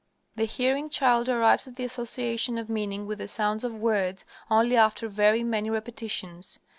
The hearing child arrives at the association of meaning with the sounds of words only after very many repetitions.